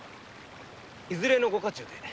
いずれのご家中で？